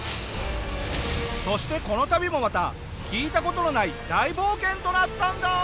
そしてこの旅もまた聞いた事のない大冒険となったんだ！